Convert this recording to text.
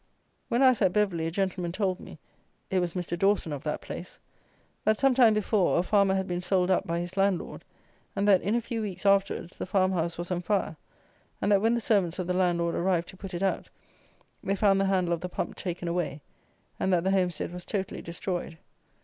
When I was at Beverley a gentleman told me, it was Mr. Dawson of that place, that some time before a farmer had been sold up by his landlord; and that, in a few weeks afterwards, the farmhouse was on fire, and that when the servants of the landlord arrived to put it out they found the handle of the pump taken away, and that the homestead was totally destroyed.